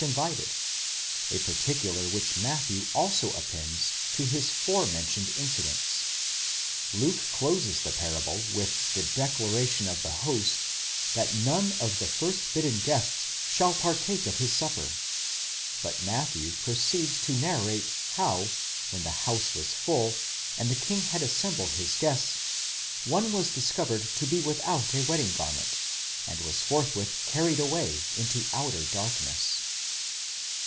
invited, a particular which Matthew also appends to his fore mentioned inci dents. Luke closes the parable with the declaration of the host, that none of the first bidden guests shall partake of his supper ; but Matthew proceeds to narrate how, when the house was full, and the king had assembled his atte one was discovered to be without a wedding garment, and was hwith carried away into outer darkness.